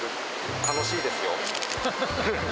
楽しいですよ。